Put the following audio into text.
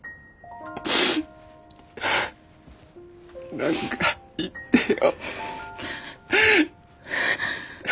何か言ってよ。